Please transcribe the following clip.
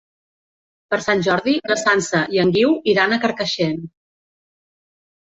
Per Sant Jordi na Sança i en Guiu iran a Carcaixent.